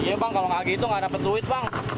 iya bang kalau gak gitu gak dapet duit bang